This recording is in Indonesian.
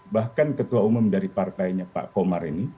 bahkan ketua umum dari partainya pak komar ini